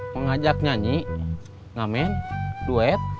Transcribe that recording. mengajak nyanyi ngamen duet